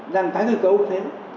đang tái thư cấu như thế